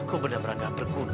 aku benar benar gak perguna